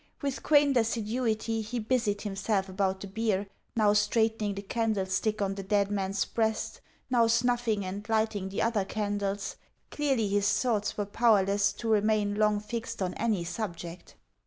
With quaint assiduity he busied himself about the bier now straightening the candlestick on the dead man's breast, now snuffing and lighting the other candles. Clearly his thoughts were powerless to remain long fixed on any subject.